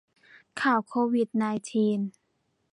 ข่าวโควิดไนน์ทีน